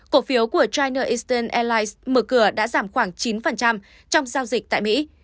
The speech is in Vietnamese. cổ phiếu của china istan airlines mở cửa đã giảm khoảng chín trong giao dịch tại mỹ